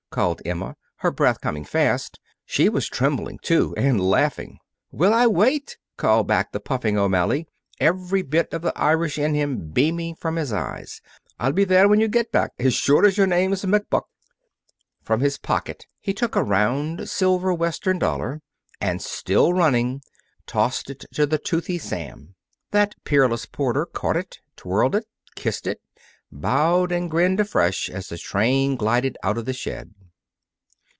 called Emma, her breath coming fast. She was trembling, too, and laughing. "Will I wait!" called back the puffing O'Malley, every bit of the Irish in him beaming from his eyes. "I'll be there when you get back as sure as your name's McBuck." From his pocket he took a round, silver Western dollar and, still running, tossed it to the toothy Sam. That peerless porter caught it, twirled it, kissed it, bowed, and grinned afresh as the train glided out of the shed.